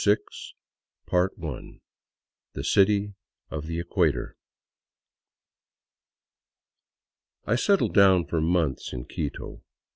126 CHAPTER VI THE CITY OF THE EQUATOR I SETTLED down for months in Quito.